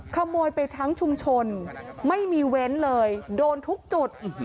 ขโมยไปทั้งชุมชนไม่มีเว้นเลยโดนทุกจุด